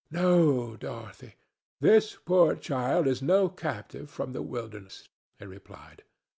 "No, Dorothy; this poor child is no captive from the wilderness," he replied.